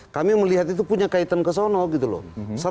kami melihat itu punya kaitan ke sana gitu loh